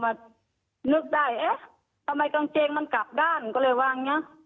พอมันนึกได้เอ๊ะทำไมกางเจงมันกลับด้านก็เลยว่างเงี้ย